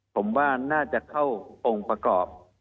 ผมว่าน่าจะเข้าองค์ประกอบ